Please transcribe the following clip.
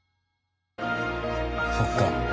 そっか。